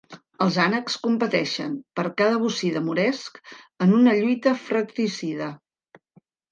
Els ànecs competeixen per cada bocí de moresc en una lluita fratricida.